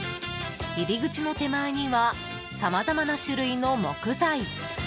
入り口の手前にはさまざまな種類の木材。